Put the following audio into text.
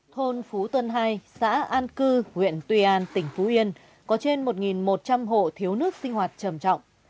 thôn phú tân hai xã an cư huyện tuy an tỉnh phú yên có trên một một trăm linh hộ thiếu nước sinh hoạt trầm trọng